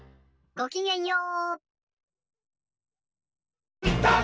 ごきげんよう！